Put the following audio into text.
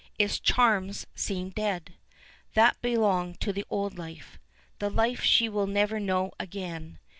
Its charms seem dead. That belonged to the old life the life she will never know again.